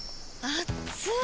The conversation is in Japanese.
あっつい！